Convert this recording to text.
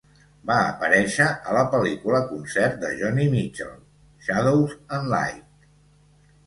Va aparèixer a la pel·lícula concert de Joni Mitchell, "Shadows and Light":